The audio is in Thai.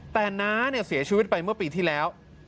แต่น้าเสียชีวิตไปเมื่อปีที่แล้ว